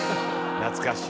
懐かしい。